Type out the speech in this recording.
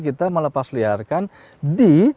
kita melepasliarkan di